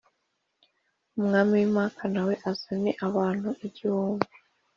Umwami w’i Māka na we azane abantu igihumbi